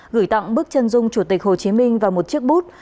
gửi tặng bức chân dung chủ tịch hồ chí minh vào một chiếc bút